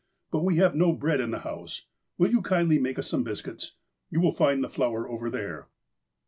But we have no bread in the house. "Will you kindly make us some biscuits ! You will find the flour over there."